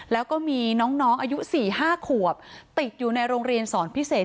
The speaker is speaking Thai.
แล้วก็มีน้องอายุ๔๕ขวบติดอยู่ในโรงเรียนสอนพิเศษ